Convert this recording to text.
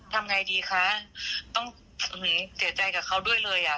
ทำไงดีคะต้องเสียใจกับเขาด้วยเลยอ่ะ